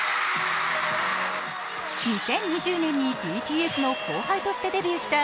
２０２０年にＢＴＳの後輩としてデビューした